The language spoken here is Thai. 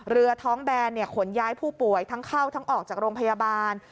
เรือท้องแบนขนย้ายผู้ป่วยทั้งเข้าทั้งออกจากโรงพยาบาล